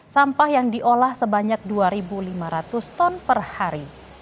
sampah yang diolah sebanyak dua lima ratus ton per hari